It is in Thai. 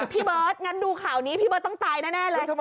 พี่เบิร์ตงั้นดูข่าวนี้พี่เบิร์ตต้องตายแน่เลย